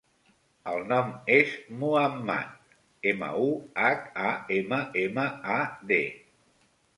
El nom és Muhammad: ema, u, hac, a, ema, ema, a, de.